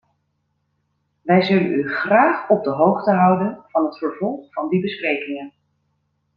Wij zullen u graag op de hoogte houden van het vervolg van die besprekingen.